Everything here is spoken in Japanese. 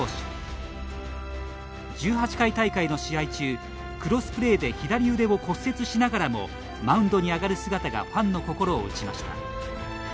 １８回大会の試合中クロスプレーで左腕を骨折しながらもマウンドに上がる姿がファンの心を打ちました。